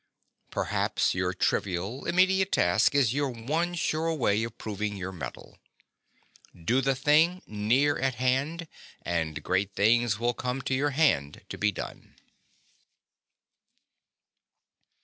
Perhaps your trivial, immediate task is your one sure way of proving your mettle. Do the thing near at hand, and great things will come to your hand to be done.